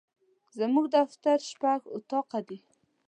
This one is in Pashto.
زموږ دفتر شپږ اطاقه دي.